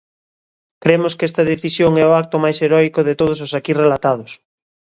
Cremos que esta decisión é o acto máis heroico de todos os aquí relatados.